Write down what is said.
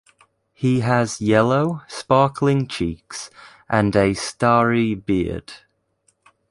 He has yellow, sparkling cheeks and a starry beard.